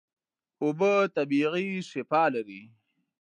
اوبه طبیعي شفاء لري.